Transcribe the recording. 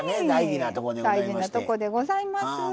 大事なとこでございます。